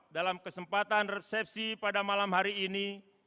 dalam kesempatan resepsi pada malam hari ini